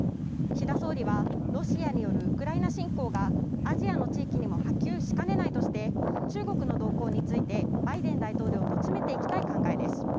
岸田総理はロシアによるウクライナ侵攻がアジアの地域にも波及しかねないとして中国の動向についてバイデン大統領と詰めていきたい考えです。